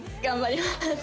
頑張ります。